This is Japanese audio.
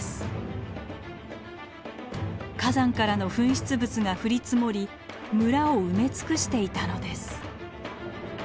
火山からの噴出物が降り積もり村を埋め尽くしていたのです。